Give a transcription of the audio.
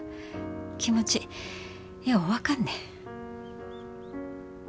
気持ちよう分かんね。